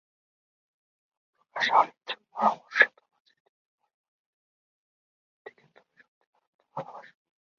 নাম প্রকাশে অনিচ্ছুকপরামর্শতোমার চিঠিটি পড়ে মনে হলো, মেয়েটিকে তুমি সত্যিকার অর্থে ভালোবাসোনি।